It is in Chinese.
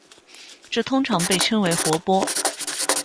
这通常被称为“活剥”。